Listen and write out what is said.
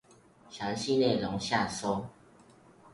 詳細內容下收